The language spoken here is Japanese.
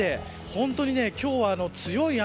本当に今日は強い雨。